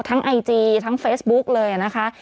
ไอจีทั้งเฟซบุ๊กเลยนะคะ